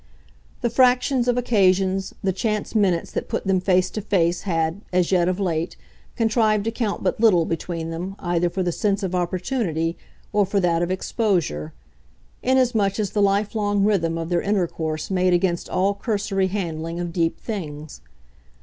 The fractions of occasions, the chance minutes that put them face to face had, as yet, of late, contrived to count but little, between them, either for the sense of opportunity or for that of exposure; inasmuch as the lifelong rhythm of their intercourse made against all cursory handling of deep things.